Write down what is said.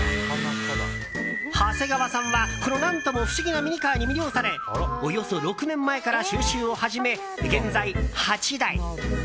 長谷川さんはこの何とも不思議なミニカーに魅了されおよそ６年前から収集を始め現在８台。